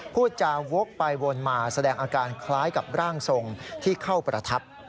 พูดจาวกไปวนมาแสดงอาการคล้ายกับร่างทรงที่เข้าประทับ